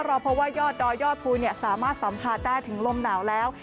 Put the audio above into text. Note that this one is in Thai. เราเพราะว่ายอดดอยอดภูย์เนี่ยสามารถสัมภาษณ์ได้ถึงลมหนาวแล้ว